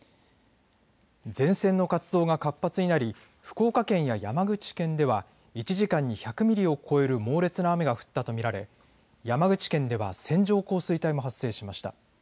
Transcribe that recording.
前線の活動が活発になり福岡県や山口県では１時間に１００ミリを超える猛烈な雨が降ったと見られ山口県では線状降水帯も発生しました。